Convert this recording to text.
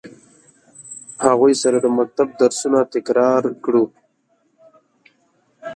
هغوی سره د مکتب درسونه تکرار کړو.